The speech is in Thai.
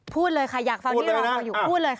พูดเลยค่ะอยากฟังที่รอคอยอยู่พูดเลย